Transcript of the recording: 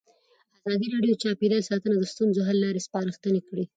ازادي راډیو د چاپیریال ساتنه د ستونزو حل لارې سپارښتنې کړي.